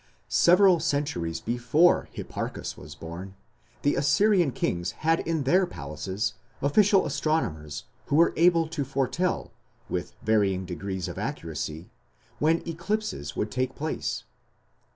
" Several centuries before Hipparchus was born, the Assyrian kings had in their palaces official astronomers who were able to foretell, with varying degrees of accuracy, when eclipses would take place.